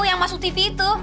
yang masuk tv itu